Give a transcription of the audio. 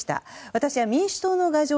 私は民主党の牙城